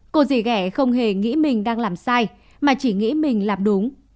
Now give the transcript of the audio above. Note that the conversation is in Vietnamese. cô gì ghẻ không hề nghĩ mình đang làm sai mà chỉ nghĩ mình làm đúng